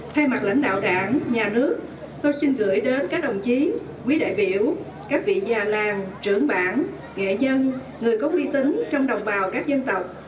thay mặt lãnh đạo đảng nhà nước tôi xin gửi đến các đồng chí quý đại biểu các vị già làng trưởng bản nghệ nhân người có uy tín trong đồng bào các dân tộc